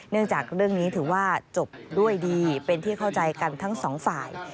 จากเรื่องนี้ถือว่าจบด้วยดีเป็นที่เข้าใจกันทั้งสองฝ่าย